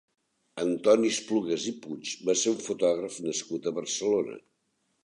Antoni Esplugas i Puig va ser un fotògraf nascut a Barcelona.